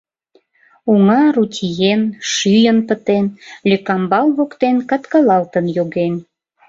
Оҥа рутиен, шӱйын пытен, лӧкамбал воктен каткалалтын йоген.